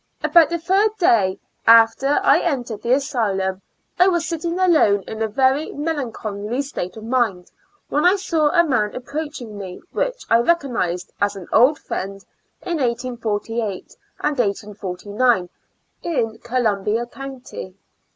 About the third day after I en tered the asylum I was sitting alone in a very melancholy state of mind, when I saw a man approaching me which I recognized as an old friend in 1848 and 1849, in Col umbia county.